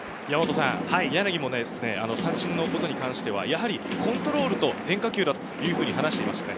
柳も三振のことに関しては、コントロールと変化球だと話していました。